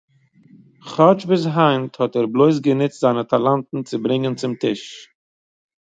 כאטש ביז היינט האט ער בלויז גענוצט זיינע טאלאנטן צו ברענגען צום טיש